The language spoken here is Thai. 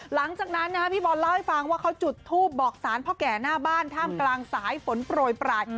หลังจากนั้นพี่บอลเล่าให้ฟังว่าเขาจุดทูปบอกสารพ่อแก่หน้าบ้านท่ามกลางสายฝนโปรยปลาย